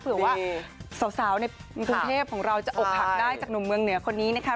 เผื่อว่าสาวในกรุงเทพของเราจะอกหักได้จากหนุ่มเมืองเหนือคนนี้นะคะ